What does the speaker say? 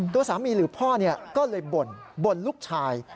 ตัวสามีหรือพ่อก็เลยบ่นบ่นลูกชาย